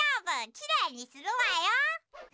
きれいにするわよ。